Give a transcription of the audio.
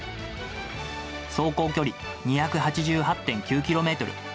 走行距離、２８８．９キロメートル。